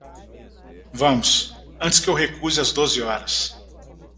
Vamos, antes que eu recuse as doze horas.